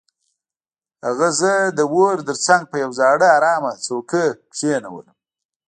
هغه زه د اور تر څنګ په یو زاړه ارامه څوکۍ کښینولم